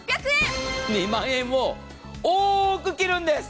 ２万円も多く切るんです。